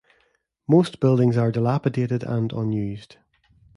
Most buildings are dilapidated and unused.